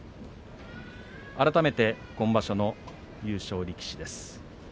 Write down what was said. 改めて今場所の優勝力士です。